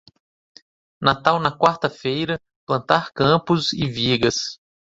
Natal na quarta-feira, plantar campos e vigas.